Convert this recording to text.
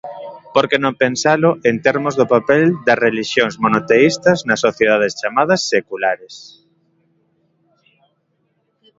Porque non pensalo en termos do papel das relixións monoteístas nas sociedades chamadas "seculares"?